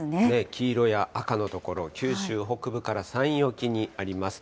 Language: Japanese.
黄色や赤の所、九州北部から山陰沖にあります。